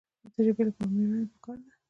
د ژبې لپاره مېړانه پکار ده.